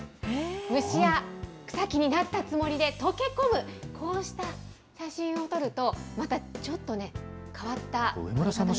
虫や草木になったつもりで溶け込む、こうした写真を撮ると、またちょっとね、変わった写真が。